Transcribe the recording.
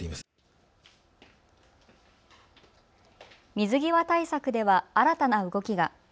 水際対策では新たな動きが。